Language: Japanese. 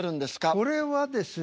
これはですね